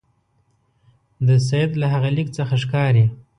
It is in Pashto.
د سید له هغه لیک څخه ښکاري.